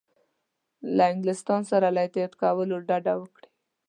له انګلستان سره له اتحاد کولو ډډه وکړي.